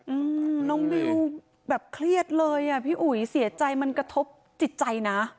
อืมน้องบิวแบบเครียดเลยอ่ะพี่อุ๋ยเสียใจมันกระทบจิตใจนะ